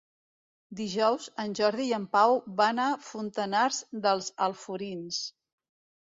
Dijous en Jordi i en Pau van a Fontanars dels Alforins.